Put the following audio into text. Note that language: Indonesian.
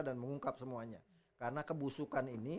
dan mengungkap semuanya karena kebusukan ini